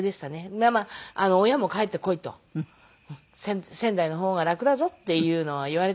まあまあ「親も帰ってこい」と「仙台の方が楽だぞ」っていうのは言われたので。